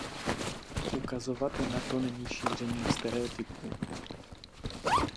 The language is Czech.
Poukazovat na to není šířením stereotypů.